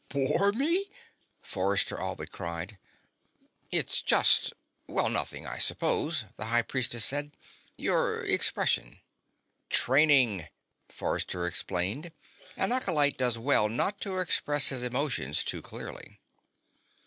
"Bore me?" Forrester all but cried. "It's just well, nothing, I suppose," the High Priestess said. "Your expression." "Training," Forrester explained. "An acolyte does well not to express his emotions too clearly."